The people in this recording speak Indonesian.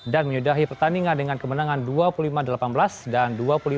dan menyudahi pertandingan dengan kemenangan dua puluh lima delapan belas dan dua puluh lima sembilan